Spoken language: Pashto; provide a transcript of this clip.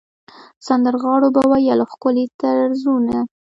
سندرغاړو به ویل ښکلي طرزونه.